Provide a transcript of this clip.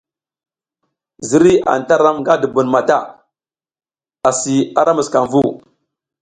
Ziriy anta ram nga dubun mata, asi ara muskamvu.